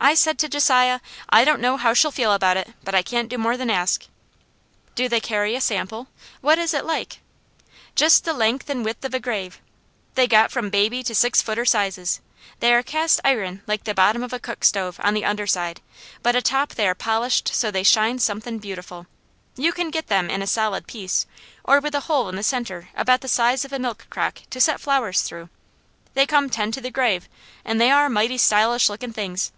"I said to Josiah, 'I don't know how she'll feel about it, but I can't do more than ask.'" "Do they carry a sample? What is it like?" "Jest the len'th an' width of a grave. They got from baby to six footer sizes. They are cast iron like the bottom of a cook stove on the under side, but atop they are polished so they shine somethin' beautiful. You can get them in a solid piece, or with a hole in the centre about the size of a milk crock to set flowers through. They come ten to the grave, an' they are mighty stylish lookin' things.